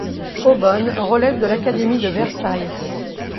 Eaubonne relève de l'académie de Versailles.